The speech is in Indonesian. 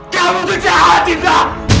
kamu tuh jahat sita